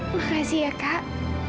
makasih ya kak